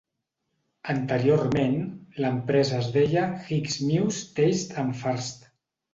Anteriorment, l'empresa es deia Hicks, Muse, Tate and Furst.